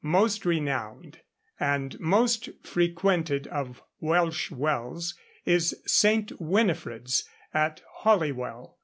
Most renowned and most frequented of Welsh wells is St. Winifred's, at Holywell.